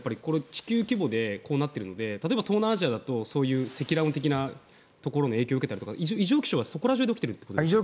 地球規模でこうなっているので例えば、東南アジアだと積乱雲的なところの影響を受けたりとか異常気象はそこら中で起きているということですか？